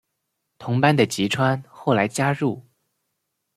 同班的吉川后来加入。